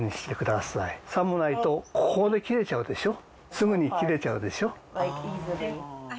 すぐに切れちゃうでしょ？